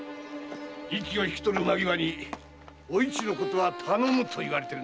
息を引き取る間際に「おいちを頼む」と言われてるんだ。